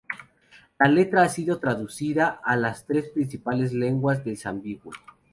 La letra ha sido traducida a las tres principales lenguas de Zimbabue.